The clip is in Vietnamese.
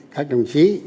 các đồng chí